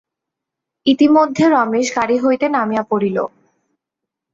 ইতিমধ্যে রমেশ গাড়ি হইতে নামিয়া পড়িল।